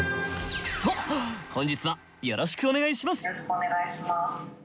おっ本日はよろしくお願いします。